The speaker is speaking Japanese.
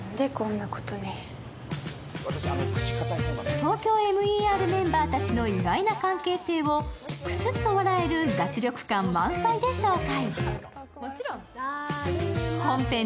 「ＴＯＫＹＯＭＥＲ」メンバーたちの意外な関係性をくすっと笑える脱力感満載で紹介。